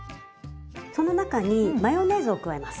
その中にマヨネーズを加えます。